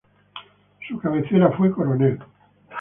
Su cabecera fue Coronel.